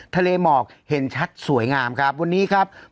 ทะเลหมอกเห็นชัดสวยงามครับวันนี้ครับ